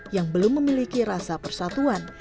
yang belum memiliki rasa persatuan